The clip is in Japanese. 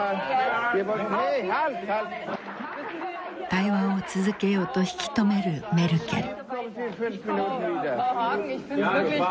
対話を続けようと引き止めるメルケル。